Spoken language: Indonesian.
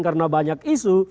karena banyak isu